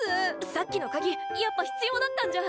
さっきの鍵やっぱ必要だったんじゃ。